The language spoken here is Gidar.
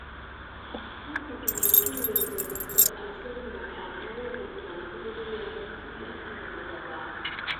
Kutuk metiŋ zikai var kuya ba ama def metikine siga ko kusva taka ne ra dagada ba.